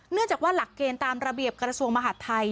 เนื่องจากว่าหลักเกณฑ์ตามระเบียบกระทรวงมหาดไทย